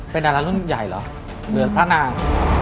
เป็นดารารุ่นใหญ่เหรอเหมือนพระนาง